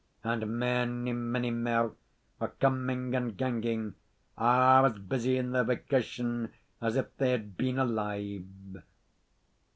And mony, mony mair were coming and ganging, a' as busy in their vocation as if they had been alive.